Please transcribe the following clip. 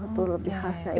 itu lebih khasnya ya